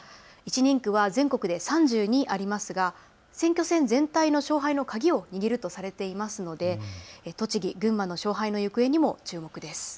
１人区は全国で３２ありますが選挙戦全体の勝敗の鍵を握るとされているので栃木、群馬の勝敗の行方にも注目です。